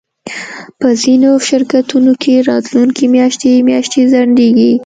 په ځینو شرکتونو کې راتلونکی میاشتې میاشتې ځنډیږي